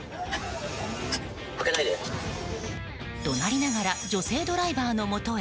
怒鳴りながら女性ドライバーのもとへ。